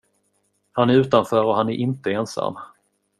Han är utanför och han är inte ensam.